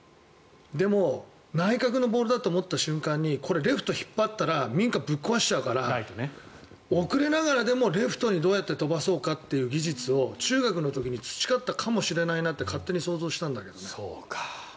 でも、内角のボールだと思った瞬間にこれ、ライトに引っ張ったら民家、ぶっ壊しちゃうから遅れながらでもレフトにどうやって飛ばそうかという技術を中学の時に培ったかもしれないなと勝手に想像したんだけどね。